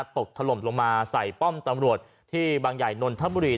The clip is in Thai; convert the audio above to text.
ตกถล่มลงมาใส่ป้อมจังหวัดที่บางใหญ่นนทม